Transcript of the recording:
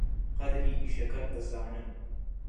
قەدری ئیشەکەت دەزانم.